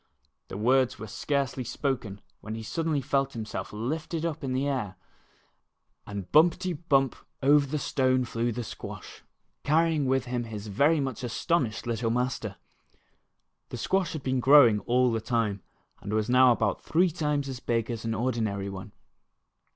The words were scarcely spoken when he suddenly felt himself lifted up in the air, and 6 A Quick Running Squash. bumpity. bump, over the stone flew the squash, carrying with him his ver\ much astonished Httle master ! The squash had been growing all the time, and was now about three times as bio as an ordinar}' one.